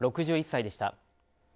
６１歳でした。